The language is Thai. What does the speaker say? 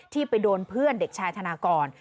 ไปโดนเพื่อนเด็กชายธนากร